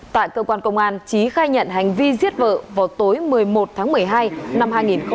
tại cơ quan công an trí khai nhận hành vi giết vợ vào tối một mươi một tháng một mươi hai năm hai nghìn hai mươi ba